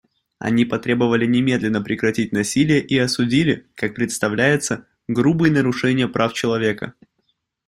Они потребовали немедленно прекратить насилие и осудили, как представляется, грубые нарушения прав человека.